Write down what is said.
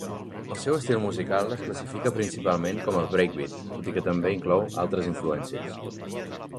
El seu estil musical es classifica principalment com a breakbeat, tot i que també inclou altres influències.